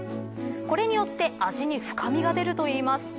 これによって味に深みが出るといいます。